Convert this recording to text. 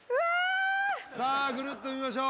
さあぐるっと見ましょう。